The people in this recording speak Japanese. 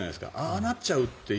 ああなっちゃうと。